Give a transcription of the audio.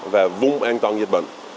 và vùng an toàn dịch bệnh